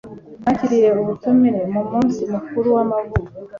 Nakiriye ubutumire mu munsi mukuru w'amavuko.